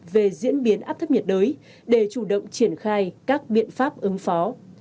về diễn biến áp thấp nhiệt đới để chủ động triển khai các biện pháp ứng phó